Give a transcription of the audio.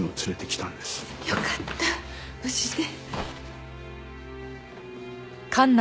よかった無事で。